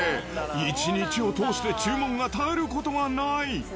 一日を通して、注文が絶えることがない。